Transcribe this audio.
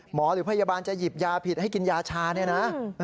หรือพยาบาลจะหยิบยาผิดให้กินยาชาเนี่ยนะ